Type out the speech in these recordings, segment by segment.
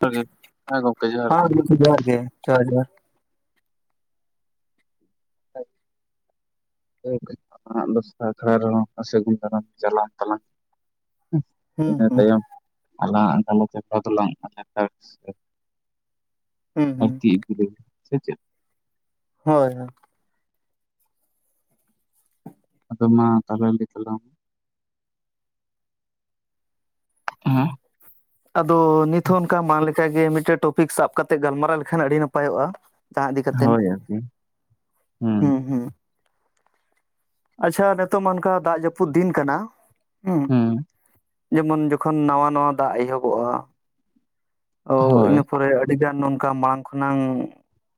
ᱡᱚᱦᱟᱨ ᱜᱮ, ᱦᱮᱸ ᱜᱚᱢᱠᱮ ᱡᱚᱦᱟᱨ ᱦᱮᱸ ᱜᱮ, ᱜᱚᱢᱠᱮ ᱡᱚᱦᱟᱨ ᱜᱮ, ᱡᱚᱦᱟᱨ ᱡᱚᱦᱟᱨ᱾ ᱦᱮ᱾ ᱦᱮ ᱜᱚᱝᱠᱮ ᱫᱚᱥᱨᱟ ᱟᱠᱷᱲᱟ ᱨᱮᱦᱚᱸ, ᱥᱟᱹᱜᱩᱱ ᱫᱟᱨᱟᱢ ᱪᱟᱞᱟᱱ ᱛᱟᱞᱟᱝ᱾ ᱦᱩ, ᱦᱩᱸ ᱤᱱᱟᱹ ᱦᱩᱸ ᱛᱟᱭᱚᱢ ᱟᱞᱟᱝ ᱟᱜ ᱜᱟᱞᱚᱪ ᱟᱠᱷᱲᱟ ᱫᱚᱞᱟᱝ ᱢᱩᱪᱟᱹᱫ ᱦᱟᱛᱟᱲᱟ᱾ ᱦᱩᱸ ᱦᱩᱸ ᱟᱨᱛᱤ ᱤᱫᱤ ᱞᱟᱹᱤᱜᱤᱫ ᱥᱮ ᱪᱮᱫ? ᱦᱳᱭ ᱦᱳᱭ᱾ ᱟᱫᱚ ᱢᱟ ᱛᱟᱦᱚᱞᱮ ᱞᱟᱹᱭ ᱛᱟᱞᱟᱝ [unintelligible] ᱟᱫᱚ ᱱᱤᱛ ᱦᱚᱸ ᱚᱱᱠᱟ ᱢᱟ ᱞᱮᱠᱟ ᱜᱮ ᱢᱤᱫᱴᱮᱡ ᱴᱚᱯᱤᱠ ᱥᱟᱵ ᱠᱟᱛᱮᱜ ᱜᱟᱞᱢᱟᱨᱟᱣ ᱞᱮᱠᱷᱟᱱ ᱟᱹᱰᱤ ᱱᱟᱯᱟᱭᱚᱜᱼᱟ᱾ ᱫᱟᱜ ᱤᱫᱤ ᱠᱟᱛᱮᱱ, ᱦᱳᱭ ᱟᱨᱠᱤ ᱦᱮᱸ ᱦᱩᱸ ᱦᱩᱸ᱾ ᱟᱪᱪᱷᱟ ᱱᱮᱛᱚᱜ ᱢᱟ ᱚᱱᱠᱟ ᱫᱟᱜ ᱡᱟᱹᱯᱩᱫ ᱫᱤᱱ ᱠᱟᱱᱟ, ᱦᱩᱸ ᱦᱮᱸ ᱡᱮᱢᱚᱱ ᱡᱚᱠᱷᱚᱱ ᱱᱟᱣᱟ ᱱᱟᱣᱟ ᱫᱟᱜ ᱮᱦᱚᱵᱚᱜᱼᱟ᱾ ᱛᱚ ᱦᱳᱭ ᱤᱱᱟᱹ ᱯᱚᱨᱮ ᱟᱹᱰᱤᱜᱟᱱ ᱱᱚᱝᱠᱟ ᱢᱟᱝ ᱠᱷᱚᱱᱟᱝ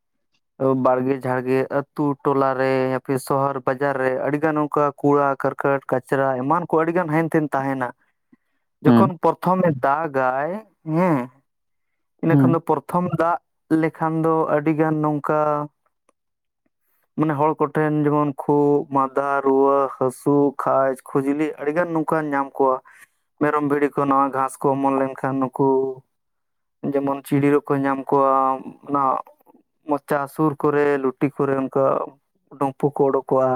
[unintelligible] ᱛᱚ ᱵᱟᱲᱜᱮ ᱡᱷᱟᱲᱜᱮ ᱟᱹᱛᱩ ᱴᱚᱞᱟ ᱨᱮ ᱚᱯᱷᱤᱥ ᱥᱚᱦᱚᱨ ᱵᱟᱡᱟᱨ ᱨᱮ ᱟᱹᱰᱤ ᱜᱟᱱ ᱚᱱᱠᱟ ᱠᱩᱲᱟ ᱠᱟᱹᱨᱠᱟᱹᱴ ᱠᱟᱪᱨᱟ ᱮᱢᱟᱱ ᱠᱚ ᱟᱹᱰᱤ ᱜᱟᱱ ᱦᱮᱱᱛᱮᱱ ᱛᱟᱦᱮᱸᱱᱟ᱾ [unintelligible] ᱡᱚᱠᱷᱚᱱ ᱯᱚᱨᱛᱷᱚᱢᱮ ᱫᱟᱜᱟᱭ ᱦᱮᱸ ᱤᱱᱟᱹ ᱦᱮᱸ ᱠᱷᱟᱱ ᱫᱚ ᱯᱚᱨᱛᱷᱚᱢ ᱫᱟᱜ ᱞᱮᱠᱷᱟᱱ ᱫᱚ ᱟᱹᱰᱤ ᱜᱟᱱ ᱱᱚᱝᱠᱟ [unintelligible] ᱢᱟᱱᱮ ᱦᱚᱲ ᱠᱚᱴᱷᱮᱱ ᱡᱮᱢᱚᱱ ᱠᱷᱩᱜ, ᱢᱟᱫᱟ, ᱨᱩᱣᱟᱹ ᱦᱟᱹᱥᱩ, ᱠᱷᱟᱡ ᱠᱷᱩᱡᱞᱤ ᱟᱹᱰᱤᱜᱟᱱ ᱱᱚᱝᱠᱟᱱ ᱧᱟᱢ ᱠᱩᱣᱟ᱾ ᱢᱮᱨᱚᱢ ᱵᱷᱤᱰᱤ ᱠᱚ ᱱᱟᱣᱟ ᱜᱷᱟᱸᱥ ᱠᱚ ᱚᱢᱚᱱ ᱞᱮᱱᱠᱷᱟᱱ ᱱᱩᱠᱩ ᱡᱮᱢᱚᱱ ᱪᱤᱰᱤᱲ ᱦᱚᱸ ᱠᱚ ᱧᱟᱢ ᱠᱚᱣᱟ ᱚᱱᱟ ᱢᱚᱪᱟ ᱥᱩᱨ ᱠᱚᱨᱮ ᱞᱩᱴᱤ ᱠᱚᱨᱮ ᱚᱱᱠᱟ ᱰᱩᱢᱯᱷᱩ ᱠᱚ ᱩᱰᱳᱠᱚᱜᱼᱟ᱾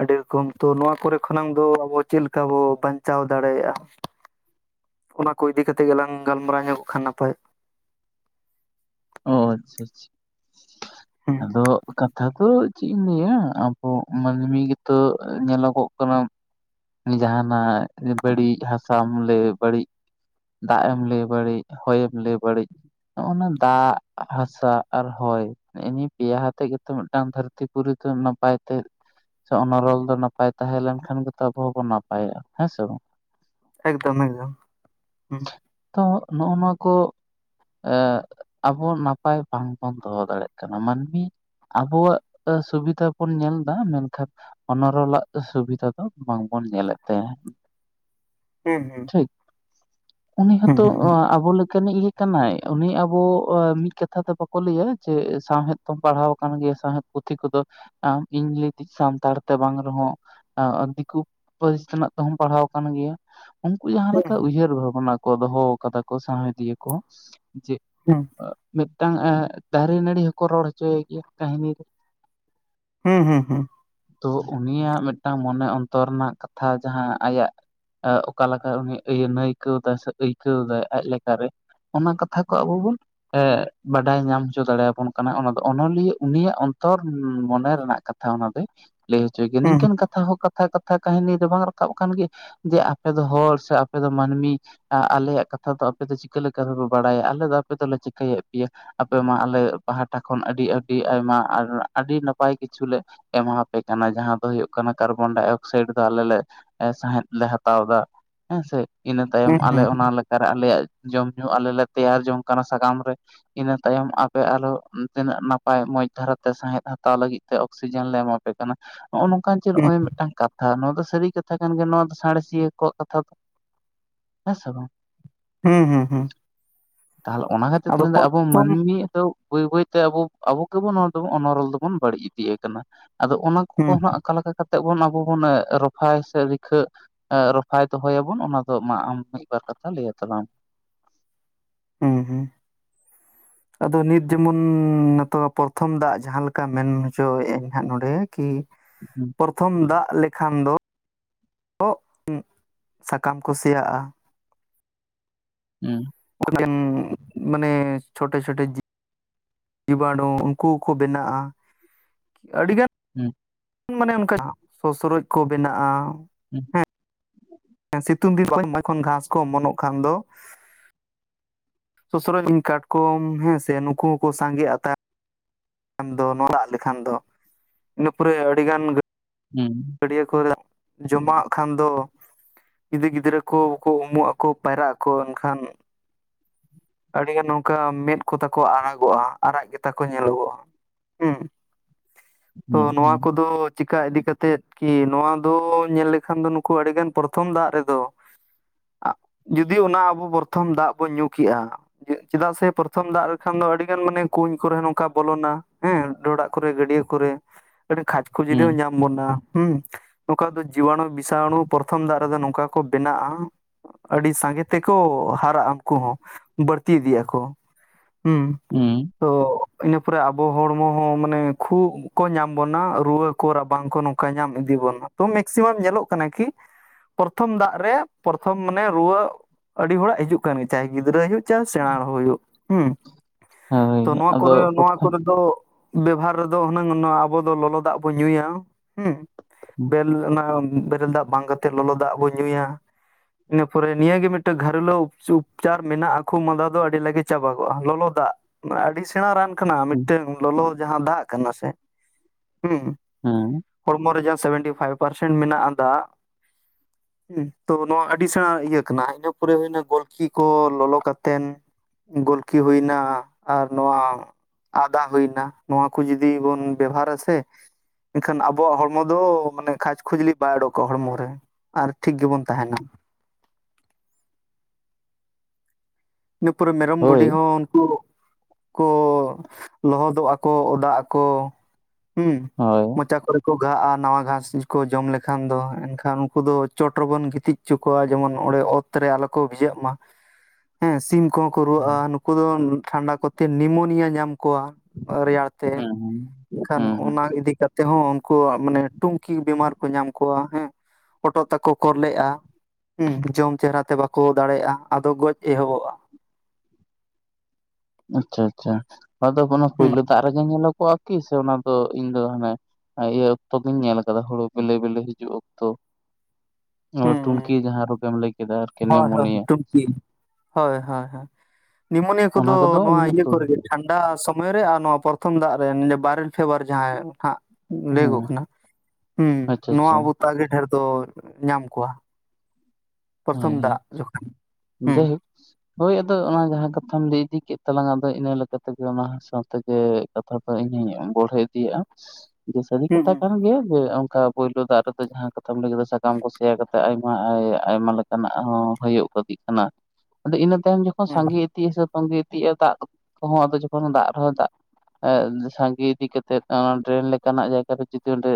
ᱟᱹᱰᱤ ᱨᱚᱠᱚᱢ ᱛᱚ ᱱᱚᱣᱟ ᱠᱚᱨᱮ ᱠᱷᱚᱱᱟᱝ ᱫᱚ ᱟᱵᱚ ᱪᱮᱫ ᱞᱮᱠᱟ ᱵᱚ ᱵᱟᱧᱪᱟᱣ ᱫᱟᱲᱮᱭᱟᱜᱼᱟ? ᱚᱱᱟ ᱠᱚ ᱤᱫᱤ ᱠᱟᱛᱮ ᱜᱮᱞᱟᱝ ᱜᱟᱞᱢᱟᱨᱟᱣ ᱧᱚᱜ ᱠᱷᱟᱱ ᱱᱟᱯᱟᱭ ᱚ ᱟᱪᱪᱷᱟ ᱟᱪᱪᱷᱟ, ᱦᱩᱸ ᱟᱫᱚ ᱠᱟᱛᱷᱟ ᱠᱚ ᱪᱤᱫ ᱤᱧ ᱞᱟᱹᱭᱟ, ᱟᱵᱚ ᱢᱟᱹᱱᱢᱤ ᱜᱮᱛᱚ ᱧᱮᱞᱚᱜᱚᱜ ᱠᱟᱱᱟ ᱡᱟᱦᱟᱸ ᱱᱟᱜ ᱵᱟᱹᱲᱤᱡ ᱦᱟᱥᱟᱢ ᱞᱟᱹᱭ ᱵᱟᱹᱲᱤᱡ ᱫᱟᱜ ᱮᱢ ᱞᱟᱹᱭ ᱵᱟᱹᱲᱤᱡ ᱦᱚᱭᱮᱢ ᱞᱟᱹᱭ ᱵᱟᱹᱲᱤᱡ᱾ ᱱᱚᱜᱼᱚ ᱱᱟ ᱫᱟᱜ ᱦᱟᱥᱟ ᱟᱨ ᱦᱚᱭ ᱮᱜᱼᱮ ᱱᱤᱭᱟᱹ ᱯᱮᱭᱟ ᱦᱟᱛᱮ ᱜᱮᱛᱚ ᱢᱤᱫᱴᱟᱝ ᱫᱷᱟᱹᱨᱛᱤ ᱯᱩᱨᱤ ᱫᱚ ᱱᱟᱯᱟᱭ ᱛᱮ ᱥᱮ ᱚᱱᱚᱲᱚᱞ ᱫᱚ ᱱᱟᱯᱟᱭ ᱛᱟᱦᱮᱸ ᱞᱮᱱᱠᱷᱟᱱ ᱜᱮᱛᱚ ᱟᱵᱚ ᱦᱚᱸᱵᱚ ᱱᱟᱯᱟᱭᱚᱼᱟ ᱦᱮᱸ ᱥᱮ ᱵᱟᱝ᱾ ᱮᱠᱫᱚᱢ ᱮᱠᱫᱚᱢ, ᱦᱩᱸ᱾ ᱛᱚ ᱱᱚᱜᱼᱚ ᱱᱚᱣᱟ ᱠᱚ ᱮ ᱟᱵᱚ ᱱᱟᱯᱟᱭ ᱵᱟᱝᱵᱚᱱ ᱫᱚᱦᱚ ᱫᱟᱲᱮᱜ ᱠᱟᱱᱟ, ᱢᱟᱹᱱᱢᱤ ᱟᱵᱚᱣᱟᱜ ᱥᱩᱵᱤᱫᱷᱟ ᱵᱚᱱ ᱧᱮᱞ ᱫᱟ ᱢᱮᱱᱠᱷᱟᱱ ᱚᱱᱚᱲᱚᱞᱟᱜ ᱥᱩᱵᱤᱫᱷᱟ ᱫᱚ ᱵᱟᱝᱵᱚᱱ ᱧᱮᱞᱮᱫ ᱛᱟᱭᱟ᱾ ᱦᱩᱸ ᱦᱩᱸ᱾ ᱩᱱᱤ ᱦᱩᱸ ᱦᱚᱸᱛᱚ ᱦᱩᱸ ᱟᱵᱚ ᱞᱮᱠᱟᱱᱤᱡ ᱜᱤ ᱠᱟᱱᱟᱭ, ᱩᱱᱤ ᱟᱵᱚ ᱢᱤᱫ ᱠᱟᱛᱷᱟ ᱛᱮ ᱵᱟᱠᱚ ᱞᱟᱹᱭᱟ ᱡᱮ ᱥᱟᱶᱦᱮᱫ ᱫᱚᱢ ᱯᱟᱲᱦᱟᱣ ᱠᱟᱱ ᱜᱮᱭᱟ ᱥᱟᱶᱦᱮᱫ ᱯᱩᱛᱷᱤ ᱠᱚᱫᱚ ᱟᱢ ᱤᱧ ᱞᱟᱹᱭᱫᱤᱧ ᱥᱟᱱᱛᱟᱲ ᱛᱮ ᱵᱟᱝ ᱨᱮᱦᱚᱸ ᱟᱸ ᱟᱨ ᱫᱤᱠᱩ ᱯᱟᱹᱨᱤᱥ ᱛᱮᱱᱟᱜ ᱛᱮᱦᱚᱢ ᱯᱟᱲᱦᱟᱣ ᱠᱟᱱ ᱜᱮᱭᱟ᱾ ᱩᱱᱠᱩ ᱡᱟᱦᱟᱸ ᱦᱩᱸ ᱞᱮᱠᱟ ᱩᱭᱦᱟᱹᱨ ᱵᱷᱟᱵᱱᱟ ᱠᱚ ᱫᱚᱦᱚ ᱠᱟᱫᱟ ᱠᱚ ᱥᱟᱶᱦᱮᱫᱤᱭᱟᱹ ᱠᱚ ᱡᱮ ᱦᱩᱸ᱾ ᱢᱤᱫᱴᱟᱝ ᱮᱸ ᱫᱟᱨᱮ ᱱᱟᱹᱲᱤ ᱦᱚᱸᱠᱚ ᱨᱚᱲ ᱦᱚᱪᱚᱭᱮ ᱜᱮᱭᱟ ᱠᱟᱦᱤᱱᱤ ᱨᱮ᱾ ᱦᱩᱸ ᱦᱩᱸ ᱦᱩᱸ᱾ ᱛᱚ ᱩᱱᱤᱭᱟᱜ ᱢᱤᱫᱴᱟᱝ ᱢᱚᱱᱮ ᱚᱱᱛᱚᱨ ᱨᱮᱱᱟᱜ ᱠᱟᱛᱷᱟ ᱡᱟᱦᱟᱸ ᱟᱭᱟᱜ ᱟᱸ ᱚᱠᱟ ᱞᱮᱠᱟ ᱩᱱᱤ ᱟᱭᱟᱹᱱᱟᱹᱭᱠᱟᱹᱣ ᱫᱟᱭ ᱥᱮ ᱟᱹᱭᱠᱟᱹᱣ ᱫᱟᱭ ᱟᱡ ᱞᱮᱠᱟᱨᱮ᱾ ᱚᱱᱟ ᱠᱟᱛᱷᱟ ᱠᱚ ᱟᱵᱚ ᱵᱩᱱ ᱵᱟᱰᱟᱭ ᱧᱟᱢ ᱦᱚᱪᱚ ᱫᱟᱲᱮᱭᱟᱵᱚᱱ ᱠᱟᱱᱟ, ᱚᱱᱟ ᱫᱚ ᱚᱱᱚᱞᱤᱭᱟᱹ ᱩᱱᱤᱭᱟᱜ ᱚᱱᱛᱚᱨ ᱢᱚᱱᱮ ᱨᱮᱱᱟᱜ ᱠᱟ ᱛᱷᱟ ᱚᱱᱟ ᱫᱚᱧ ᱞᱟᱹᱭ ᱦᱚᱪᱚ ᱠᱤᱫᱟᱹᱧ, ᱱᱤᱝᱠᱟᱹᱱ ᱠᱟᱛᱷᱟ ᱦᱚᱸ ᱠᱟᱛᱷᱟ ᱠᱟᱛᱷᱟ ᱠᱟᱹᱦᱱᱤ ᱫᱚ ᱵᱟᱝ ᱨᱟᱠᱟᱵ ᱠᱟᱱ ᱜᱮ ᱡᱮ ᱟᱯᱮ ᱫᱚ ᱦᱚᱲ ᱥᱮ ᱟᱯᱮ ᱫᱚ ᱢᱟᱹᱱᱢᱤ ᱟᱞᱮᱭᱟᱜ ᱠᱟᱛᱷᱟ ᱫᱚ ᱟᱯᱮ ᱫᱚ ᱪᱤᱠᱟᱹ ᱞᱮᱠᱟ ᱨᱮᱯᱮ ᱵᱟᱲᱟᱭᱟ ᱟᱞᱮ ᱫᱚ ᱟᱯᱮ ᱫᱚᱞᱮ ᱪᱤᱠᱟᱹᱭᱮᱜ ᱯᱮᱭᱟ ᱾ ᱟᱯᱮ ᱢᱟ ᱟᱞᱮ ᱯᱟᱦᱴᱟ ᱠᱷᱚᱱ, ᱟᱹᱰᱤ ᱟᱹᱰᱤ ᱟᱭᱢᱟ ᱟᱹᱰᱤ ᱱᱟᱯᱟᱭ ᱠᱤᱪᱷᱩᱞᱮ ᱮᱢᱟᱣ ᱟᱯᱮ ᱠᱟᱱᱟ ᱡᱟᱦᱟ ᱫᱚ ᱦᱩᱭᱩᱜ ᱠᱟᱱᱟ ᱠᱟᱨᱵᱚᱱᱰᱟᱭ ᱚᱠᱥᱟᱭᱤᱰ ᱫᱚ ᱟᱞᱮ ᱞᱮ ᱥᱟᱸᱦᱮᱫ ᱞᱮ ᱦᱟᱛᱟᱣ ᱮᱫᱟ ᱦᱮᱸ ᱥᱮ ᱾ ᱤᱱᱟᱹ ᱛᱟᱭᱚᱢ ᱟᱞᱮ ᱚᱱᱟ ᱞᱮᱠᱟᱨᱮ ᱟᱞᱮᱭᱟᱜ ᱡᱚᱢ ᱧᱩ ᱟᱞᱮ ᱞᱮ ᱛᱮᱭᱟᱨ ᱡᱚᱝ ᱠᱟᱱᱟ ᱥᱟᱠᱟᱢ ᱨᱮ ᱤᱱᱟᱹ ᱛᱟᱭᱚᱢ ᱟᱯᱮ ᱟᱨᱚ ᱛᱤᱱᱟᱹᱜ ᱱᱟᱯᱟᱭ ᱢᱚᱡᱽ ᱫᱷᱟᱨᱟᱛᱮ ᱥᱟᱸᱦᱮᱫ ᱦᱟᱛᱟᱣ ᱞᱟᱹᱜᱤᱫ ᱛᱮ ᱚᱠᱥᱤᱡᱮᱱ ᱞᱮ ᱮᱢᱟ ᱯᱮ ᱠᱟᱱᱟ ᱾ ᱱᱚᱜᱼᱚ ᱱᱚᱝᱠᱟᱱ ᱪᱮ ᱦᱩᱸ ᱱᱚᱜᱼᱚᱭ ᱢᱤᱫᱴᱟᱝ ᱠᱟᱛᱷᱟ ᱱᱚᱣᱟ ᱫᱚ ᱥᱟᱹᱨᱤ ᱠᱟ ᱠᱟᱛᱷᱟ ᱠᱟᱱ ᱜᱮᱭᱟ ᱱᱚᱣᱟ ᱫᱚ ᱥᱟᱬᱮᱥᱤᱭᱟᱹ ᱠᱚᱣᱟᱜ ᱠᱟᱛᱷᱟ ᱦᱮᱸ ᱥᱮ ᱵᱟᱝ? ᱦᱮᱸ ᱦᱮᱸ ᱦᱮᱸ ᱾ ᱛᱟᱦᱚᱞᱮ ᱚᱱᱟ ᱠᱷᱟᱹᱛᱤᱨ ᱛᱮ ᱞᱟᱹᱭ ᱫᱟᱭ ᱟᱵᱚ ᱯᱨᱚᱛᱷᱚᱢ ᱢᱟᱹᱱᱢᱤᱭᱟ ᱵᱟᱹᱭ ᱵᱟᱹᱭᱛᱮ ᱟᱵᱚ ᱟᱵᱚ ᱜᱮᱵᱚᱱ ᱱᱚᱣᱟ ᱫᱚ ᱚᱱᱚᱨᱚᱞ ᱫᱚᱵᱚᱱ ᱵᱟᱹᱲᱤᱡ ᱤᱫᱤᱭᱮ ᱠᱟᱱᱟ, ᱟᱫᱚ ᱚᱱᱟ ᱚᱠᱟ ᱦᱩᱸ ᱦᱟᱸᱜ ᱞᱮᱠᱟ ᱠᱟᱛᱮᱜ ᱵᱚᱱ ᱟᱵᱚ ᱵᱚᱱ ᱨᱚᱯᱷᱟᱭᱟ ᱥᱮ ᱨᱤᱠᱷᱟᱹ ᱨᱚᱯᱷᱟᱭ ᱫᱚᱦᱚᱭᱟᱵᱚᱱ ᱚᱱᱟ ᱫᱚ ᱢᱟ ᱟᱢ ᱢᱤᱜᱵᱟᱨ ᱠᱟᱛᱷᱟ ᱞᱟᱹᱭ ᱟ ᱛᱟᱞᱟᱝ ᱦᱮᱸ ᱦᱮᱸ ᱾ ᱟᱫᱚ ᱱᱤᱛ ᱡᱮᱢᱚᱱ ᱱᱤᱛᱚᱜ ᱯᱨᱚᱛᱷᱚᱢ ᱫᱟᱜ ᱡᱟᱦᱟᱸ ᱞᱮᱠᱟ ᱢᱮᱱ ᱦᱚᱪᱚᱭᱮᱜ ᱟᱹᱧ ᱦᱟᱸᱜ ᱱᱚᱰᱮ ᱠᱤ ᱦᱩᱸ ᱯᱨᱚᱛᱷᱚᱢ ᱫᱟᱜ ᱞᱮᱠᱷᱟᱱ ᱫᱚ ᱠᱚᱜ ᱥᱟᱠᱟᱢ ᱠᱚ ᱥᱤᱭᱟᱜᱼᱟ ᱾ ᱩᱸ [unintelligible] ᱢᱟᱱᱮ ᱪᱷᱩᱴᱤ ᱪᱷᱩᱴᱤ ᱡᱤᱵᱟᱱᱩ ᱩᱱᱠᱩ ᱠᱚ ᱵᱮᱱᱟᱜᱼᱟ, ᱟᱹᱰᱤᱜᱟᱱ ᱦᱩᱸ ᱢᱟᱱᱮ ᱚᱱᱠᱟ ᱥᱚᱥᱨᱚᱡ ᱠᱚ ᱵᱮᱱᱟᱜᱼᱟ ᱾ ᱦᱩᱸ ᱦᱮᱸ ᱥᱤᱛᱩᱝ ᱫᱤᱱ ᱡᱚᱠᱷᱚᱱ ᱜᱷᱟᱸᱥ ᱠᱚ ᱚᱢᱚᱱᱚᱜ ᱠᱟᱱ ᱫᱚ ᱥᱚᱥᱨᱚᱡᱽ, ᱠᱟᱴᱠᱚᱢ ᱦᱮᱸ ᱥᱮ ᱱᱩᱠᱩ ᱦᱚᱸᱠᱚ ᱥᱟᱸᱜᱮᱜᱼᱟ ᱛᱟ ᱫᱚ ᱱᱚᱣᱟ ᱫᱟᱜ ᱞᱮᱠᱷᱟᱱ ᱫᱚ, ᱤᱱᱟᱹ ᱯᱚᱨᱮ ᱟᱹᱰᱤᱜᱟᱱ ᱦᱩᱸ ᱜᱟᱹᱰᱭᱟᱹ ᱠᱚᱨᱮ ᱡᱚᱢᱟᱣᱚᱜ ᱠᱷᱟᱱ ᱫᱚ ᱡᱩᱫᱤ ᱜᱤᱫᱽᱨᱟᱹ ᱠᱚ ᱠᱚ ᱩᱢᱩᱜ ᱟᱠᱚ ᱯᱟᱭᱨᱟᱜ ᱟᱠᱚ ᱮᱱᱠᱷᱟᱱ ᱟᱹᱰᱤᱜᱟᱱ ᱱᱚᱝᱠᱟ ᱢᱮᱫ ᱠᱚᱛᱟ ᱠᱚ ᱟᱨᱟᱜᱚᱜᱼᱟ, ᱟᱨᱟᱜ ᱜᱮᱛᱟ ᱠᱚ ᱧᱮᱞᱚᱜᱚᱜᱼᱟ ᱦᱩᱸ ᱾ ᱛᱚ ᱦᱩᱸ ᱱᱚᱣᱟ ᱦᱩᱸ ᱠᱚᱫᱚ ᱪᱤᱠᱟ ᱤᱫᱤ ᱠᱟᱛᱮᱫ ᱠᱤ ᱱᱚᱣᱟ ᱫᱚ ᱧᱮᱞ ᱞᱮᱠᱷᱟᱱ ᱫᱚ, ᱱᱩᱠᱩ ᱟᱹᱰᱤ ᱜᱟᱱ ᱯᱨᱚᱛᱷᱚᱢ ᱫᱟᱜ ᱨᱮᱫᱚ ᱟᱜ ᱡᱩᱫᱤ ᱚᱱᱟ ᱟᱵᱚ ᱯᱚᱨᱛᱷᱚᱢ ᱫᱟᱜ ᱵᱚ ᱧᱩ ᱠᱮᱜᱼᱟ ᱪᱮᱫᱟᱜ ᱥᱮ ᱯᱚᱨᱛᱷᱚᱢ ᱫᱟᱜ ᱞᱮᱠᱷᱟᱱ ᱫᱚ ᱟᱹᱰᱤ ᱜᱟᱱ ᱢᱟᱱᱮ ᱠᱩᱧ ᱠᱚᱨᱮ ᱱᱚᱝᱠᱟ ᱵᱚᱞᱚᱱᱟ ᱦᱮᱸ ᱰᱚᱰᱟᱜ ᱠᱚᱨᱮ ᱜᱟᱹᱰᱭᱟᱹ ᱠᱚᱨᱮ ᱟᱹᱰᱤ ᱠᱷᱟᱡᱽ ᱠᱷᱩᱡᱽᱞᱟᱹᱣ ᱦᱩᱸ ᱧᱟᱢ ᱵᱚᱱᱟ ᱦᱩᱸ ᱱᱚᱝᱠᱟ ᱨᱮᱫᱚ ᱡᱤᱵᱟᱱᱩ ᱵᱤᱥᱟᱱᱩ ᱯᱚᱨᱛᱷᱚᱢ ᱫᱟᱜ ᱨᱮᱫᱚ ᱱᱚᱝᱠᱟ ᱠᱚ ᱵᱮᱱᱟᱜᱼᱟ ᱾ ᱟᱹᱰᱤ ᱥᱟᱸᱜᱮ ᱛᱮᱠᱚ ᱦᱟᱨᱟᱜᱼᱟ, ᱩᱱᱠᱩ ᱦᱚᱸ ᱵᱟᱹᱲᱛᱤ ᱤᱫᱤᱜ ᱟᱠᱚ ᱦᱩᱸ ᱾ ᱦᱩᱸ ᱾ ᱛᱚ ᱤᱱᱟᱹ ᱯᱚᱨᱮ ᱟᱵᱚ ᱦᱚᱲᱢᱚ ᱦᱚᱸ ᱢᱟᱱᱮ ᱠᱷᱩᱜ ᱠᱚ ᱧᱟᱢ ᱵᱚᱱᱟ, ᱨᱩᱣᱟᱹ ᱠᱚ ᱨᱟᱵᱟᱝ ᱠᱚ ᱱᱚᱝᱠᱟ ᱧᱟᱢ ᱤᱫᱤ ᱵᱚᱱᱟ ᱾ ᱛᱚ ᱢᱮᱠᱥᱤᱢᱟᱢ ᱧᱮᱞᱚᱜ ᱠᱟᱱᱟ ᱠᱤ ᱯᱚᱨᱛᱷᱚᱢ ᱫᱟᱜ ᱨᱮ ᱯᱚᱨᱛᱷᱚᱢ ᱢᱟᱱᱮ ᱨᱩᱣᱟᱹ ᱟᱹᱰᱤ ᱦᱚᱲᱟᱜ ᱦᱤᱡᱩᱜ ᱠᱟᱱ ᱜᱮᱭᱟ, ᱪᱟᱦᱮ ᱜᱤᱫᱽᱨᱟᱹ ᱦᱩᱭᱩᱜ ᱪᱟᱦᱮ ᱥᱮᱸᱬᱟ ᱦᱚᱲ ᱦᱩᱭᱩᱜ ᱦᱩᱸ, ᱦᱳᱭ ᱛᱚ ᱱᱚᱣᱟ ᱟᱫᱚ ᱠᱚᱨᱮ ᱱᱚᱣᱟ ᱯᱨᱚᱛᱷᱚᱢ ᱠᱚᱨᱮ ᱫᱚ ᱵᱮᱵᱷᱟᱨ ᱨᱮᱫᱚ ᱦᱩᱱᱟᱹᱝ ᱱᱚᱣᱟ ᱟᱵᱚ ᱫᱚ ᱞᱚᱞᱚ ᱫᱟᱜ ᱵᱚ ᱧᱩᱭᱟ ᱦᱩᱸ, ᱵᱮᱞ ᱚᱱᱟ ᱵᱮᱨᱮᱞ ᱫᱟᱜ ᱵᱟᱝ ᱠᱟᱛᱮ ᱞᱚᱞᱚ ᱫᱟᱜ ᱵᱚᱱ ᱧᱩᱭᱟ ᱤᱱᱟᱹ ᱯᱚᱨᱮ ᱱᱤᱭᱟᱹᱜ ᱜᱮ ᱢᱤᱫᱴᱟᱹᱝ ᱜᱷᱟᱨᱞᱳ ᱩᱯᱪᱟᱨ ᱢᱮᱱᱟᱜ-ᱟ᱾ ᱠᱷᱩᱜ ᱢᱟᱸᱫᱟ ᱫᱚ ᱟᱹᱰᱤ ᱞᱟᱜᱮ ᱪᱟᱵᱟᱠᱚᱜᱼᱟ ᱞᱚᱞᱚ ᱫᱟᱜ ᱟᱹᱰᱤ ᱥᱮᱬᱟ ᱨᱟᱱ ᱠᱟᱱᱟ, ᱢᱤᱫᱴᱟᱹᱝ ᱞᱚᱞᱚ ᱡᱟᱦᱟᱸ ᱫᱟᱜ ᱠᱟᱱᱟ ᱥᱮ ᱦᱩᱸ, ᱦᱩᱸ᱾ ᱦᱚᱲᱢᱚ ᱨᱮ ᱡᱟᱦᱟᱸ ᱥᱮᱵᱷᱮᱱᱴᱤ ᱯᱷᱟᱭᱤᱵᱷ ᱯᱟᱨᱥᱮᱱᱴ ᱢᱮᱱᱟᱜ-ᱟ ᱫᱟᱜ, ᱦᱮᱸ ᱛᱚ ᱱᱚᱣᱟ ᱟᱹᱰᱤ ᱥᱮᱬᱟ ᱤᱭᱟᱹ ᱠᱟᱱᱟ ᱤᱱᱟᱹ ᱯᱚᱨᱮ ᱦᱩᱭᱱᱟ ᱜᱚᱞᱠᱤ ᱠᱚ ᱞᱚᱞᱚ ᱠᱟᱛᱮ ᱛᱮᱱ ᱜᱳᱚᱞᱠᱤ ᱦᱩᱭᱱᱟ ᱟᱨ ᱱᱚᱣᱟ ᱟᱫᱟ ᱦᱩᱭ ᱱᱟ ᱱᱚᱣᱟ ᱠᱚ ᱡᱩᱫᱤ ᱵᱚᱱ ᱵᱮᱵᱟᱨ ᱟᱥᱮ ᱮᱱᱠᱷᱟᱱ ᱟᱵᱚᱣᱟᱜ ᱦᱚᱲᱢᱚ ᱫᱚ ᱢᱟᱱᱮ ᱠᱷᱟᱡᱽ ᱠᱷᱚᱡᱽᱞᱤ ᱵᱟᱭ ᱚᱰᱳᱠᱚᱜᱼᱟ ᱦᱚᱲᱢᱚ ᱨᱮ᱾ ᱟᱨ ᱴᱷᱤᱠ ᱜᱮᱵᱚᱱ ᱛᱟᱦᱮᱸᱱᱟ᱾ ᱤᱱᱟᱹ ᱯᱚᱨᱮ ᱢᱮᱨᱚᱢ ᱦᱳᱭ ᱵᱩᱰᱷᱤ ᱦᱚᱸ ᱩᱱᱠᱩ ᱠᱚ ᱞᱚᱦᱚᱫᱚ ᱟᱠᱚ ᱚᱫᱟᱜ ᱟᱠᱚ ᱦᱩᱸ ᱦᱳᱭ᱾ ᱢᱚᱪᱟ ᱠᱚᱨᱮ ᱠᱚ ᱜᱟᱜᱼᱟ ᱱᱟᱣᱟ ᱜᱷᱟᱥ ᱠᱚ ᱡᱚᱢ ᱞᱮᱠᱷᱟᱱ ᱫᱚ, ᱮᱱᱠᱷᱟᱱ ᱩᱱᱠᱩ ᱫᱚ ᱪᱚᱴ ᱨᱮᱵᱚᱱ ᱜᱤᱛᱤᱡ ᱦᱚᱪᱚ ᱠᱚᱣᱟ ᱡᱮᱢᱚᱱ ᱚᱸᱰᱮ ᱚᱛ ᱨᱮ ᱟᱞᱚ ᱠᱚ ᱵᱷᱤᱡᱟᱹᱜ ᱢᱟ, ᱦᱮᱸ ᱥᱤᱢ ᱠᱚᱦᱚᱸ ᱠᱚ ᱨᱩᱣᱟᱹᱜᱼᱟ ᱦᱩᱸ ᱱᱩᱠᱩ ᱫᱚ ᱴᱷᱟᱱᱰᱟ ᱠᱚᱛᱮ ᱱᱤᱢᱳᱱᱤᱭᱟ ᱧᱟᱢ ᱠᱚᱣᱟ ᱨᱮᱭᱟᱲ ᱛᱮ ᱦᱩᱸ ᱾ ᱦᱩᱸ ᱮᱱᱠᱷᱟᱱ ᱦᱩᱸ ᱚᱱᱟ ᱤᱫᱤ ᱠᱟᱛ ᱛᱮᱦᱚᱸ ᱩᱱᱠᱩᱣᱟᱜ ᱢᱟᱱᱮ ᱴᱩᱱᱠᱤ ᱵᱮᱢᱟᱨ ᱠᱚ ᱧᱟᱢ ᱠᱚᱣᱟ ᱦᱮᱸ ᱦᱚᱴᱚᱜ ᱛᱟᱠᱚ ᱠᱚᱸᱵᱮᱜᱼᱟ᱾ ᱦᱮᱸ ᱡᱚᱢ ᱪᱮᱦᱨᱟᱛᱮ ᱵᱟᱠᱚ ᱫᱟᱲᱮᱭᱟᱜᱼᱟ ᱟᱫᱚ ᱜᱚᱡᱽ ᱮᱦᱚᱵᱚᱜᱼᱟ᱾ ᱟᱪᱪᱷᱟ ᱟᱪᱪᱷᱟ ᱱᱚᱣᱟ ᱫᱚ ᱦᱩᱸ ᱯᱳᱭᱞᱳ ᱫᱟᱜ ᱨᱮᱜᱮ ᱧᱮᱞᱚᱜᱚᱜᱼᱟ᱾ ᱛᱤᱥ ᱦᱚᱸ ᱚᱱᱟᱫᱚ ᱤᱧ ᱫᱚ ᱦᱟᱱᱮ ᱤᱭᱟᱹ ᱚᱠᱛᱚ ᱜᱤᱧ ᱧᱮᱞ ᱟᱠᱟᱫᱟ ᱦᱩᱲᱩ ᱵᱤᱞᱤ ᱵᱤᱞᱤ ᱦᱤᱡᱩᱜ ᱚᱠᱛᱚ᱾ ᱚ ᱦᱩᱸ ᱦᱩᱸ ᱴᱩᱱᱠᱤ ᱡᱟᱸᱦᱟ ᱨᱳᱚᱜ ᱮᱢ ᱞᱟᱹᱭ ᱠᱮᱫᱟ ᱫᱟ, ᱦᱳᱭ ᱦᱳᱭ ᱴᱩᱱᱠᱤ ᱦᱳᱭ ᱦᱳᱭ ᱦᱳᱭ ᱱᱤᱢᱳᱱᱤᱭᱟᱹ ᱚᱱᱟ ᱠᱚᱫᱚ ᱩᱱ ᱱᱚᱣᱟ ᱤᱭᱟᱹ ᱚᱠᱛᱚ ᱠᱚᱨᱮᱜᱮ ᱴᱷᱟᱱᱰᱟ ᱥᱚᱢᱚᱭ ᱨᱮ ᱟᱨ ᱱᱚᱣᱟ ᱯᱨᱚᱛᱷᱚᱢ ᱫᱟᱜ ᱨᱮ ᱵᱟᱨᱞ ᱯᱷᱮᱵᱚᱨᱤ ᱡᱟᱦᱟᱸᱭ ᱦᱟᱜ᱾ ᱞᱟᱹᱭᱚᱜ ᱦᱮᱸ ᱠᱟᱱᱟ ᱦᱩᱸ ᱟᱪᱪᱷᱟ ᱱᱚᱣᱟ ᱟᱪᱪᱷᱟ ᱟᱵᱚᱛᱟᱜᱮ ᱰᱷᱮᱨ ᱫᱚ ᱧᱟᱢ ᱠᱚᱣᱟ᱾ ᱯᱨᱚᱛᱷᱚᱢ ᱦᱚᱭ ᱫᱟᱜ ᱡᱚᱠᱷᱚᱱ ᱦᱚᱭ ᱦᱩᱸ ᱡᱟᱭᱦᱳᱠ, ᱦᱳᱭ ᱟᱫᱚ ᱚᱱᱟ ᱡᱟᱦᱟᱸ ᱠᱟᱛᱷᱟᱢ ᱞᱟᱹᱭ ᱤᱫᱤ ᱠᱮᱫ ᱛᱟᱞᱟᱝ ᱟᱫᱚ ᱤᱱᱟᱹ ᱞᱮᱠᱟ ᱛᱮᱜᱮ ᱚᱱᱟ ᱥᱟᱶ ᱛᱮᱜᱮ ᱠᱟᱛᱷᱟ ᱫᱚ ᱤᱧᱦᱚᱧ ᱵᱚᱲᱦᱮ ᱤᱫᱤᱭᱟᱜᱼᱟ ᱡᱮ ᱥᱟᱹᱨᱤ ᱦᱩᱸ ᱠᱟᱛᱷᱟ ᱦᱩᱸ ᱠᱟᱱ ᱜᱮᱭᱟ, ᱡᱮ ᱚᱱᱠᱟ ᱯᱩᱭᱞᱩ ᱫᱟᱜ ᱨᱮᱫᱚ ᱡᱟᱦᱟᱸ ᱠᱟᱛᱷᱟᱢ ᱞᱟᱹᱭ ᱠᱮᱫᱟ ᱥᱟᱠᱟᱢ ᱠᱚ ᱥᱮᱭᱟ ᱠᱟᱛᱮ ᱟᱭᱢᱟ ᱟᱭᱢᱟ ᱞᱮᱠᱟᱱᱟᱜ ᱦᱚᱸ ᱦᱳᱭᱳᱜ ᱞᱟᱹᱫᱤᱜ ᱠᱟᱱᱟ ᱟᱫᱚ ᱤᱱᱟᱹ ᱛᱟᱭᱚᱢ ᱫᱚᱠᱚ ᱥᱟᱸᱜᱮ ᱛᱤᱥᱮ ᱛᱚᱜᱮᱸ ᱤᱫᱤᱭᱮᱫᱟ ᱫᱟᱜ ᱠᱚᱦᱚᱸ ᱟᱫᱚ ᱡᱚᱠᱷᱚᱱ ᱫᱟᱜ ᱨᱮᱦᱚᱸ ᱫᱟᱜ ᱥᱟᱸᱜᱮ ᱤᱫᱤ ᱠᱟᱛᱮᱜ ᱚᱰᱮᱱ ᱞᱮᱠᱟᱱᱟᱜ ᱡᱟᱭᱜᱟᱨ ᱨᱮ ᱡᱩᱫᱤ ᱚᱸᱰᱮ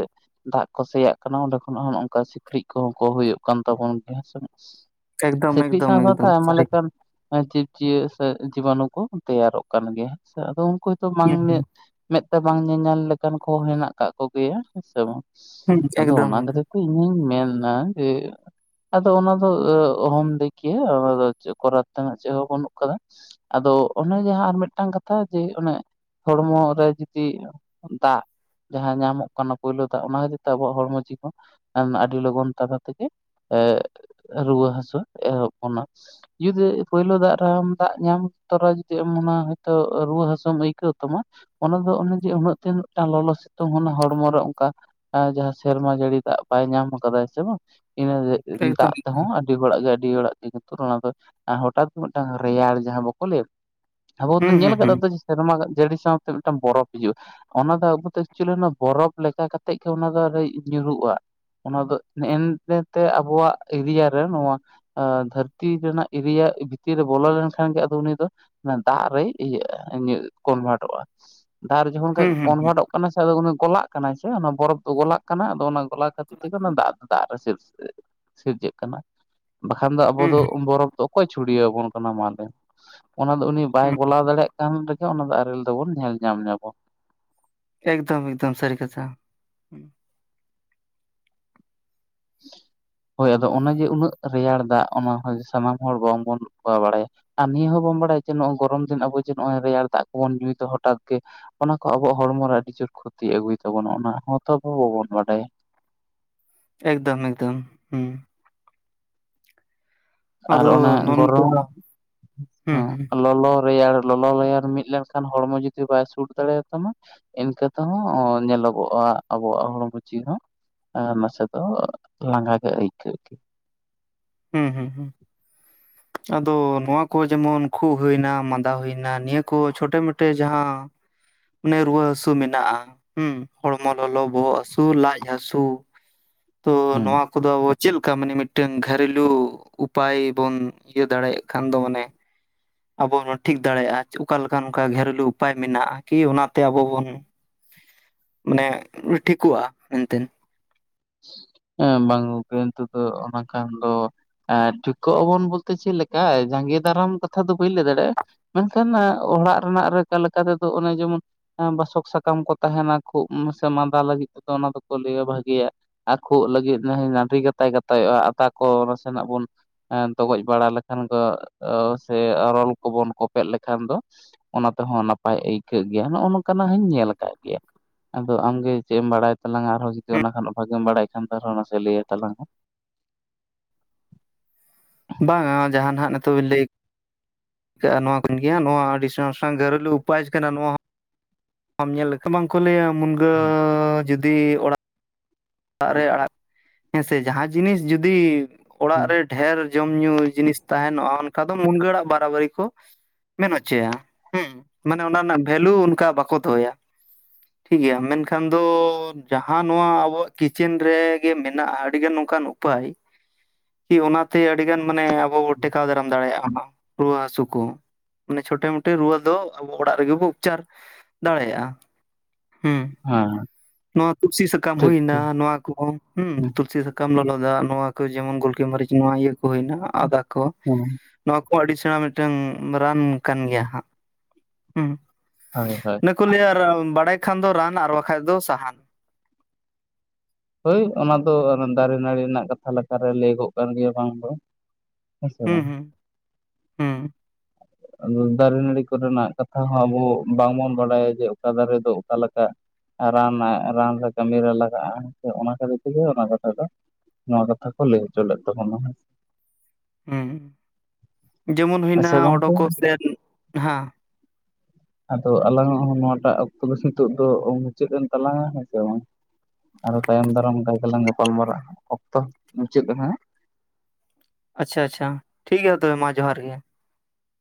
ᱫᱟᱜ ᱠᱚ ᱥᱮᱭᱟᱜ ᱠᱟᱱᱟ ᱚᱸᱰᱮ ᱠᱷᱚᱱᱟᱜ ᱦᱚᱸ ᱱᱚᱝᱠᱟ ᱥᱤᱠᱲᱤᱡ ᱠᱚᱦᱚᱸ ᱠᱚ ᱦᱩᱭᱩᱜ ᱠᱟᱱ ᱛᱟᱵᱚᱱ ᱜᱮᱭᱟ ᱦᱮᱸ ᱥᱮ᱾ ᱮᱠᱫᱚᱢ ᱥᱤᱠᱲᱤᱡ ᱮᱠᱫᱚᱢ ᱥᱟᱶ ᱥᱟᱣᱛᱮ ᱮᱠᱫᱚᱢ ᱟᱭᱢᱟ ᱥᱟᱹᱨᱤ ᱞᱮᱠᱟᱱ ᱡᱤᱵᱽᱼᱡᱤᱭᱟᱹ ᱥᱮ ᱡᱤᱵᱟᱱᱩ ᱠᱚ ᱛᱮᱭᱟᱨᱚᱜ ᱠᱟᱱ ᱜᱮᱭᱟ ᱦᱮᱸ ᱥᱮ ᱟᱫᱚ ᱩᱱᱠᱩᱦᱚᱸᱛᱚ ᱵᱟᱝ ᱦᱩᱸ ᱢᱮᱸᱫ ᱛᱮ ᱵᱟᱝ ᱧᱮᱧᱮᱞ ᱞᱮᱠᱟᱱ ᱠᱚ ᱢᱮᱱᱟᱜ ᱠᱟᱜ ᱠᱚᱜᱮᱭᱟ ᱦᱮᱸᱥᱮ ᱵᱟᱝ ᱟᱫᱚ ᱮᱠᱫᱚᱢ ᱚᱱᱟ ᱠᱷᱟᱹᱛᱤᱨ ᱤᱧᱤᱧ ᱢᱮᱱᱟ ᱡᱮ ᱟᱫᱚ ᱚᱱᱟ ᱫᱚ ᱚᱦᱚᱢ ᱞᱟᱹᱭᱠᱮᱭᱟ ᱪᱮᱫ ᱠᱚᱨᱟᱣ ᱛᱮᱱᱟᱜ ᱪᱮᱫ ᱦᱚᱸ ᱵᱟᱹᱱᱩᱜ ᱠᱟᱫᱟ᱾ ᱟᱫᱚ ᱚᱱᱮ ᱡᱟᱦᱟᱸ ᱟᱨ ᱢᱤᱫᱴᱟᱝ ᱠᱟᱛᱷᱟ ᱡᱮ ᱚᱱᱮ ᱦᱚᱲᱢᱚ ᱨᱮ ᱡᱩᱫᱤ ᱫᱟᱜ᱾ ᱡᱟᱦᱟᱸ ᱧᱟᱢᱚᱜ ᱠᱟᱱᱟ ᱯᱳᱭᱞᱳ ᱫᱟᱜ ᱚᱱᱟ ᱜᱮ ᱛᱟᱵᱚ ᱟᱵᱚᱣᱟᱜ ᱦᱚᱲᱢᱚ [unintelligible] ᱟᱹᱰᱤ ᱞᱚᱜᱚᱱ ᱛᱟᱞᱟ ᱛᱮᱜᱮᱼᱼ ᱮ ᱨᱩᱣᱟᱹ ᱦᱟᱹᱥᱩ ᱮᱦᱚᱵ ᱵᱚᱱᱟ ᱡᱩᱫᱤ ᱯᱩᱭᱞᱩ ᱫᱟᱜ ᱨᱮᱢ ᱫᱟᱜ ᱧᱟᱢ ᱛᱚᱨᱟ ᱡᱚᱫᱤ ᱦᱚᱭᱛᱚ ᱨᱩᱣᱟᱹ ᱦᱟᱹᱥᱩᱢ ᱟᱹᱭᱠᱟᱹᱣ ᱛᱟᱢᱟ ᱚᱱᱟ ᱫᱚ ᱚᱱᱮ ᱡᱮ ᱩᱱᱟᱹᱜ ᱫᱤᱱ ᱢᱤᱫᱴᱟᱝ ᱞᱚᱞᱚ ᱥᱤᱛᱩᱝ ᱦᱚᱲᱢᱚ ᱨᱮ ᱚᱱᱠᱟᱼᱼ ᱡᱟᱦᱟᱸ ᱥᱮᱨᱢᱟ ᱡᱟᱹᱲᱤ ᱫᱟᱜ ᱵᱟᱭ ᱧᱟᱢ ᱠᱟᱫᱟ ᱥᱮ ᱵᱟᱝ ᱤᱱᱟᱹ ᱮᱠᱫᱚᱢ ᱫᱟᱜ ᱛᱮᱦᱚᱸ ᱮᱠᱫᱚᱢ ᱦᱩᱭ ᱵᱟᱲᱟᱜ ᱜᱮᱭᱟ ᱟᱹᱰᱤ ᱦᱚᱲᱟᱜ ᱠᱷᱮᱛ ᱨᱮ ᱚᱱᱟ ᱫᱚ ᱦᱚᱴᱟᱛ ᱢᱤᱫᱴᱟᱝ ᱨᱮᱭᱟᱲ ᱡᱟᱦᱟᱸ ᱵᱟᱠᱚ ᱞᱟᱹᱭᱟ ᱟᱵᱚᱱ ᱦᱩᱸ ᱧᱮᱞ ᱦᱩᱸ ᱦᱩᱸ ᱟᱠᱟᱫᱟ ᱥᱮᱨᱢᱟ ᱡᱟᱹᱲᱤ ᱥᱟᱶ ᱛᱮ ᱢᱤᱫᱴᱟᱝ ᱵᱚᱨᱚᱯᱷ ᱦᱤᱡᱩᱜᱼᱟ ᱚᱱᱟ ᱫᱚ ᱮᱠᱪᱩᱭᱟᱹᱞᱤ ᱚᱱᱟ ᱵᱚᱨᱚᱯᱷ ᱞᱮᱠᱟ ᱠᱟᱛᱮᱫ ᱜᱮ ᱚᱱᱟ ᱫᱚ ᱧᱩᱨᱩᱜᱼᱟ ᱚᱱᱟ ᱫᱚ ᱱᱮᱜ ᱮᱱ ᱛᱮ ᱟᱵᱚᱣᱟᱜ ᱮᱨᱤᱭᱟ ᱨᱮ ᱱᱚᱣᱟᱼᱼ ᱫᱷᱟᱹᱨᱛᱤ ᱨᱮᱱᱟᱜ ᱮᱨᱤᱭᱟ ᱵᱷᱤᱛᱤᱨ ᱨᱮ ᱵᱚᱞᱚ ᱞᱮᱱ ᱠᱷᱟᱱ ᱜᱮ ᱟᱫᱚ ᱩᱱᱤ ᱫᱚᱼᱼ ᱫᱟᱜ ᱨᱮᱭ ᱤᱭᱟᱹᱜ-ᱟ ᱠᱚᱱᱵᱷᱟᱨᱴᱚᱜᱼᱟ ᱟᱨ ᱡᱚᱠᱷᱚᱱ ᱠᱷᱟᱡ ᱦᱩᱸ ᱦᱩᱸ ᱠᱚᱱᱵᱷᱟᱨᱴᱚᱜ ᱠᱟᱱᱟ ᱥᱮ ᱟᱫᱚ ᱩᱱᱤ ᱜᱚᱞᱟᱜ ᱠᱟᱱᱟᱭ ᱪᱮ ᱚᱱᱟ ᱵᱚᱨᱚᱯᱷ ᱫᱚ ᱜᱚᱞᱟᱜ ᱠᱟᱱᱟ ᱟᱫᱚ ᱚᱱᱟ ᱜᱚᱞᱟᱼᱼ [unintelligible] ᱫᱟᱜ ᱫᱟᱜ ᱨᱮ [unintelligible] ᱥᱤᱨᱡᱟᱹᱜ ᱠᱟᱱᱟ ᱵᱟᱠᱷᱟᱱ ᱫᱚ ᱟᱵᱚ ᱦᱩᱸ ᱫᱚ ᱵᱚᱨᱚᱯᱷᱼᱼ ᱚᱠᱚᱭ ᱪᱷᱩᱲᱭᱟᱹᱣ ᱟᱵᱚᱱ ᱠᱟᱱᱟ ᱢᱟ ᱞᱟᱭ ᱢᱮ ᱚᱱᱟ ᱫᱚ ᱩᱱᱤ ᱵᱟᱭ ᱦᱩᱸ ᱜᱚᱞᱟᱣ ᱫᱟᱲᱮᱭᱟᱜ ᱠᱟᱱ ᱨᱮ ᱜᱮ ᱚᱱᱟ ᱫᱚ ᱟᱨᱮᱞ ᱫᱚᱵᱚᱱ ᱧᱮᱞ ᱧᱟᱢ ᱧᱟᱵᱚ ᱮᱠᱫᱚᱢ ᱮᱠᱫᱚᱢ ᱥᱟᱹᱨᱤ ᱠᱟᱛᱷᱟ ᱦᱳᱭ ᱟᱫᱚ ᱚᱱᱟ ᱡᱮ ᱩᱱᱟᱹᱜ ᱨᱮᱭᱟᱲ ᱫᱟᱜ ᱚᱱᱟ ᱦᱚᱸ ᱥᱟᱱᱟᱢ ᱦᱚᱲ ᱵᱟᱝ ᱵᱚᱱ ᱵᱟᱲᱟᱭᱟ ᱟᱨ ᱱᱤᱭᱟᱹ ᱦᱚᱸᱵᱚᱱ ᱵᱟᱲᱟᱭᱟ ᱡᱮ ᱱᱚᱜᱚᱭ ᱜᱚᱨᱚᱢ ᱫᱤᱱ ᱟᱵᱚ ᱡᱮ ᱱᱚᱜᱼᱚᱭ ᱨᱮᱭᱟᱲ ᱫᱟᱜ ᱠᱚ ᱵᱚᱱ ᱧᱩᱭ ᱫᱚ ᱦᱚᱴᱟᱛ ᱜᱮᱼᱼ ᱚᱱᱟ ᱠᱚ ᱟᱵᱚᱣᱟᱜ ᱦᱚᱲᱢᱚ ᱨᱮ ᱟᱹᱰᱤ ᱡᱳᱨ ᱠᱷᱚᱛᱤ ᱟᱹᱜᱩᱭ ᱛᱟᱵᱚᱱᱟ ᱚᱱᱟ ᱦᱚᱸ ᱛᱚ ᱟᱵᱚ ᱵᱟᱵᱚᱱ ᱵᱟᱰᱟᱭᱟ ᱮᱠᱫᱚᱢ ᱮᱠᱫᱚᱢ ᱦᱮᱸ ᱟᱨ ᱟᱫᱚ ᱚᱱᱟ ᱱᱚᱜᱼᱚ ᱜᱚᱨᱚᱢ ᱱᱚᱝᱠᱟ ᱦᱩᱸ ᱦᱩᱸ ᱦᱚᱸ ᱞᱚᱞᱚ ᱨᱮᱭᱟᱲᱼᱼ ᱞᱚᱞᱚ ᱞᱚᱭᱟᱨ ᱢᱤᱫ ᱞᱮᱱ ᱠᱷᱟᱱ ᱦᱚᱲᱢᱚ ᱡᱩᱫᱤ ᱵᱟᱭ ᱥᱩᱴ ᱫᱟᱲᱮᱭᱟ ᱛᱟᱢᱟ ᱤᱱᱠᱟᱹ ᱛᱮᱦᱚᱸ ᱧᱮᱞᱚᱜᱚᱜᱼᱟ ᱟᱵᱚᱣᱟᱜ ᱦᱚᱲᱢᱚ ᱪᱤᱱᱦᱟᱣᱼᱼ ᱱᱟᱥᱮ ᱫᱚ ᱞᱟᱸᱜᱟ ᱜᱮ ᱟᱹᱭᱠᱟᱹᱜ ᱜᱮᱼᱼ ᱦᱩᱸ ᱦᱩᱸ ᱦᱩᱸ [inaudible] ᱟᱫᱚ ᱱᱚᱣᱟ ᱠᱚ ᱡᱮᱢᱚᱱ ᱠᱷᱩᱜ ᱦᱩᱭᱱᱟ ᱢᱟᱫᱟ ᱦᱩᱭᱱᱟ ᱱᱤᱭᱟᱹ ᱠᱚ ᱪᱷᱚᱴᱮ ᱢᱚᱴᱮ ᱡᱟᱦᱟᱸᱼᱼ ᱚᱱᱮ ᱨᱩᱣᱟᱹ ᱦᱟᱹᱥᱩ ᱢᱮᱱᱟᱜᱼᱟ ᱦᱩᱸ ᱦᱚᱲᱢᱚ ᱞᱚᱞᱚ ᱵᱚᱦᱚᱜ ᱦᱟᱹᱥᱩ ᱞᱟᱡ ᱦᱟᱥᱩᱼᱼ ᱛᱚ ᱦᱩᱸ ᱱᱚᱣᱟ ᱠᱚ ᱫᱚ ᱟᱵᱚ ᱪᱮᱫ ᱞᱮᱠᱟ ᱢᱟᱱᱮ ᱢᱤᱫᱴᱟᱝᱼᱼ ᱜᱷᱟᱨᱮᱞᱩ ᱩᱯᱟᱭ ᱵᱚᱱ ᱤᱭᱟᱹ ᱫᱟᱲᱮᱭᱟᱜ ᱠᱷᱟᱱ ᱫᱚ ᱢᱟᱱᱮᱼᱼ ᱟᱵᱚ ᱵᱚᱱ ᱴᱷᱤᱠ ᱫᱟᱲᱮᱭᱟᱜᱼᱟ ᱚᱠᱟ ᱞᱮᱠᱟᱱ ᱚᱱᱠᱟ ᱜᱷᱮᱨᱩᱞᱩ ᱩᱯᱟᱭ ᱢᱮᱱᱟᱜᱼᱟ ᱠᱤ ᱚᱱᱟ ᱛᱮ ᱟᱵᱚ ᱵᱚᱱᱼᱼ ᱢᱟᱱᱮ ᱴᱷᱤᱠᱚᱜᱼᱟ ᱮᱱᱛᱮᱱᱼᱼ ᱦᱮᱸ ᱵᱟᱝ ᱜᱚᱝᱠᱮ ᱱᱤᱛᱚ ᱫᱚ ᱚᱱᱟ ᱠᱷᱟᱱ ᱫᱚᱼᱼ ᱮᱸᱜ ᱴᱷᱤᱠᱚᱜ ᱟᱵᱚᱱ ᱵᱚᱞ ᱛᱮ ᱪᱮᱫ ᱞᱮᱠᱟ ᱡᱟᱸᱜᱮ ᱫᱟᱨᱟᱢ ᱠᱟᱛᱷᱟ ᱫᱚ ᱵᱟᱹᱧ ᱞᱟᱹᱭ ᱫᱟᱲᱮᱭᱟᱜᱼᱟ ᱢᱮᱱ ᱠᱷᱟᱱ ᱚᱲᱟᱜ ᱨᱮᱱᱟᱜ ᱞᱮᱠᱟ ᱛᱮ ᱫᱚ ᱚᱱᱮ ᱡᱮᱢᱚᱱᱼᱼ ᱵᱟᱥᱚᱠ ᱥᱟᱠᱟᱢ ᱠᱚ ᱛᱟᱦᱮᱱᱟ ᱠᱷᱩᱜ ᱥᱮ ᱢᱟᱸᱫᱟ ᱞᱟᱹᱜᱤᱫ ᱛᱮ ᱫᱚ ᱚᱱᱟ ᱫᱚ ᱠᱚ ᱞᱟᱹᱭᱟ ᱵᱷᱟᱜᱮᱭᱟᱜ ᱟᱨ ᱠᱷᱩᱜ ᱞᱟᱹᱜᱤᱫ [inaudible] ᱱᱟᱰᱨᱤ ᱜᱟᱛᱟᱭ ᱜᱟᱛᱟᱭᱚᱜᱼᱟ ᱟᱛᱟ ᱠᱚ ᱱᱟᱥᱮᱱᱟᱜ ᱵᱚᱱᱼᱼ ᱛᱚᱜᱚᱡ ᱵᱟᱲᱟ ᱞᱮᱠᱷᱟᱱ ᱫᱚ ᱥᱮ ᱨᱚᱞ ᱠᱚ ᱵᱚᱱ ᱠᱚᱯᱮᱫ ᱞᱮᱠᱷᱟᱱ ᱫᱚᱼᱼ ᱚᱱᱟ ᱛᱮ ᱦᱚᱸ ᱱᱟᱯᱟᱭ ᱟᱹᱭᱠᱟᱹᱜ ᱜᱮᱭᱟ ᱱᱚᱜᱼᱚ ᱱᱚᱝᱠᱟᱱᱟᱜ ᱦᱚᱧ ᱧᱮᱞ ᱟᱠᱟᱫ ᱜᱮᱭᱟ ᱟᱫᱚ ᱟᱢᱜᱮ ᱪᱮᱫ ᱮᱢ ᱵᱟᱲᱟᱭ ᱛᱟᱞᱟᱝᱟ ᱟᱨ ᱦᱚᱸ ᱡᱩᱫᱤ ᱚᱱᱟ ᱠᱷᱚᱱᱟᱜ ᱵᱷᱟᱜᱤᱢ ᱵᱟᱲᱟᱭ ᱠᱷᱟᱱ ᱫᱚᱦᱚᱸ ᱱᱟᱥᱮ ᱞᱟᱹᱭᱟ ᱛᱞᱟᱝ ᱢᱮ ᱵᱟᱝᱟ ᱡᱟᱦᱱᱟᱜ ᱱᱤᱛᱚᱜ ᱵᱤᱱ ᱞᱟᱹᱭᱼᱼ ᱠᱟᱜ-ᱟ ᱱᱚᱣᱟ ᱠᱚᱱ ᱜᱮᱭᱟ ᱱᱚᱣᱟ ᱟᱹᱰᱤ ᱜᱨᱮᱞ ᱩᱯᱟᱭ ᱠᱟᱱᱟ ᱱᱚᱣᱟ ᱵᱟᱢ ᱧᱮᱞ ᱞᱮᱠᱷᱟᱱ ᱵᱟᱝ ᱠᱚ ᱞᱟᱹᱭᱟ ᱢᱩᱱᱜᱟᱹ ᱡᱩᱫᱤ ᱚᱲᱟᱜᱼᱼ ᱟᱨᱮ ᱚᱲᱟᱜ ᱦᱮᱸᱥᱮ ᱡᱟᱦᱟᱸ ᱡᱤᱱᱤᱥ ᱡᱩᱫᱤ ᱚᱲᱟᱜ ᱨᱮᱼᱼ ᱰᱷᱮᱨ ᱡᱚᱢ ᱧᱩ ᱡᱤᱱᱤᱥ ᱛᱟᱦᱮ ᱱᱚᱜᱼᱟ ᱚᱱᱠᱟ ᱫᱚ ᱢᱩᱱᱜᱟᱹ ᱟᱲᱟᱜ ᱵᱟᱨᱟᱵᱟᱨᱤ ᱠᱚᱼᱼ ᱢᱮᱱ ᱦᱚᱪᱚᱭᱟ, ᱦᱩᱸ ᱢᱟᱱᱮ ᱚᱱᱟ ᱨᱮᱱᱟᱜ ᱵᱷᱮᱞᱩ ᱚᱱᱠᱟ ᱵᱟᱠᱚ ᱫᱚᱦᱚᱭᱟ ᱾ ᱴᱷᱤᱠ ᱜᱮᱭᱟ, ᱢᱮᱱᱠᱷᱟᱱ ᱫᱚ ᱡᱟᱦᱟᱸ ᱱᱚᱣᱟ ᱟᱵᱚᱣᱟᱜᱼᱼ ᱠᱤᱪᱮᱱ ᱨᱮᱜᱮ ᱢᱮᱱᱟᱜᱼᱟ ᱟᱹᱰᱤᱜᱟᱱ ᱱᱚᱝᱠᱟᱱ ᱩᱯᱟᱭ, ᱠᱤ ᱚᱱᱟᱛᱮ ᱟᱰᱤᱜᱟᱱ ᱢᱟᱱᱮᱼᱼ ᱵᱟᱵᱚ ᱴᱮᱠᱟᱣ ᱫᱟᱲᱼᱼ ᱫᱟᱲᱮᱭᱟᱜᱼᱟ ᱨᱩᱣᱟᱹ ᱦᱟᱥᱩ ᱠᱚ, ᱢᱟᱱᱮ ᱪᱷᱳᱴᱮ ᱢᱚᱴᱮ ᱨᱩᱣᱟᱹ ᱫᱚ ᱟᱵᱚ ᱚᱲᱟᱜ ᱨᱮᱜᱮ ᱵᱚ ᱩᱯᱪᱟᱨᱼᱼ ᱫᱟᱲᱮᱭᱟᱜᱼᱟ ᱦᱩᱸ ᱾ ᱦᱮᱸ [unintelligible] ᱱᱚᱣᱟ ᱛᱩᱞᱥᱤ ᱥᱟᱠᱟᱢ ᱴᱷᱤᱠ ᱦᱩᱭᱱᱟ ᱴᱷᱤᱠ ᱱᱚᱣᱟ ᱠᱚᱦᱚᱸ ᱦᱮᱸ ᱛᱩᱞᱥᱤ ᱥᱟᱠᱟᱢᱼᱼ ᱠᱚᱢ ᱞᱚᱞᱚ ᱫᱟᱜ ᱱᱚᱣᱟ ᱠᱚ ᱡᱮᱢᱚᱱ ᱜᱳᱞᱠᱤ ᱢᱟᱹᱨᱤᱪ ᱱᱚᱣᱟ ᱤᱭᱟᱹ ᱠᱚ ᱦᱩᱭᱱᱟ ᱟᱫᱟ ᱠᱚᱼᱼ ᱱᱚᱣᱟ ᱠᱚ ᱟᱹᱰᱤ ᱥᱮᱬᱟ ᱢᱤᱫᱴᱟᱝ ᱨᱟᱱ ᱠᱟᱱ ᱜᱮᱭᱟ ᱦᱟᱸᱜ ᱦᱩᱸ ᱾ ᱦᱚᱭ ᱦᱚᱭ ᱾ ᱚᱱᱮ ᱠᱚ ᱞᱟᱹᱭᱟ ᱵᱟᱲᱟᱭ ᱠᱷᱟᱱ ᱫᱚ ᱨᱟᱱ ᱟᱨ ᱵᱟᱠᱷᱟᱡ ᱫᱚ ᱥᱟᱦᱟᱱ ᱾ ᱦᱳᱭ ᱚᱱᱟ ᱫᱚ ᱫᱟᱨᱮ ᱱᱟᱹᱲᱤ ᱨᱮᱱᱟᱜ ᱠᱟᱛᱷᱟ ᱞᱮᱠᱟᱨᱮ ᱞᱟᱹᱭᱟᱹᱜᱚᱜ ᱠᱟᱱ ᱜᱮᱭᱟ ᱵᱟᱝ ᱫᱚᱼᱼ ᱦᱮᱸ ᱥᱮ ᱦᱩᱸ ᱵᱟᱝ ᱾ ᱦᱩᱸ ᱦᱩᱸ [inaudible] ᱫᱟᱨᱮ ᱱᱟᱹᱲᱤ ᱠᱚᱨᱮᱱᱟᱜ ᱠᱟᱛᱷᱟ ᱦᱚᱸ ᱟᱵᱚ ᱵᱟᱝᱵᱚᱱ ᱵᱟᱰᱟᱭᱟ ᱡᱮ ᱚᱠᱟ ᱫᱟᱨᱮ ᱫᱚ ᱚᱠᱟ ᱞᱮᱠᱟ ᱾ ᱨᱟᱱ ᱨᱟᱱ ᱨᱮ ᱠᱟᱹᱢᱤᱨᱮ ᱞᱟᱜᱟᱜᱼᱟ, ᱚᱱᱟ ᱠᱷᱟᱹᱛᱤᱨ ᱛᱮᱜᱮ ᱚᱱᱟ ᱠᱟᱛᱷᱟ ᱫᱚᱼᱼ ᱱᱚᱣᱟ ᱠᱟᱛᱷᱟ ᱠᱚ ᱞᱟᱹᱭ ᱦᱚᱪᱚ ᱞᱮᱫ ᱛᱟᱵᱚᱱᱟ ᱾ ᱦᱩᱸ, ᱡᱮᱢᱚᱱ ᱦᱩᱭᱱᱟ ᱟᱪᱪᱷᱟ ᱜᱚᱝᱠᱮ ᱚᱰᱳᱠᱚᱜ ᱥᱮ ᱱᱟᱸᱦᱼᱼ ᱟᱫᱚ ᱟᱞᱟᱝᱟᱜ ᱦᱚᱸ ᱱᱚᱣᱟᱴᱟᱜ ᱚᱠᱛᱚ ᱫᱚ ᱱᱤᱛᱚᱜ ᱫᱚ ᱢᱩᱪᱟᱹᱫ ᱮᱱ ᱛᱟᱞᱟᱝᱟ ᱦᱮᱸ ᱥᱮ ᱵᱟᱝ ᱾ ᱟᱨᱚ ᱛᱟᱭᱚᱢ ᱫᱟᱨᱟᱢ ᱚᱱᱠᱟ ᱞᱮᱠᱟᱞᱟᱝ ᱜᱟᱯᱟᱞ ᱢᱟᱨᱟᱨᱟᱜᱼᱟ, ᱚᱠᱛᱚ ᱢᱩᱪᱟᱹᱫ ᱮᱱᱟ ᱦᱮᱸ ᱾ ᱟᱪᱪᱷᱟ ᱟᱪᱪᱷᱟ, ᱴᱷᱤᱠ ᱜᱮᱭᱟ ᱛᱚᱵᱮ ᱢᱟ ᱡᱚᱦᱟᱨ ᱜᱮ ᱾